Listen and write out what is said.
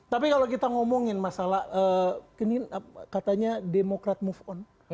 tapi kalau kita ngomongin masalah ini katanya demokrat move on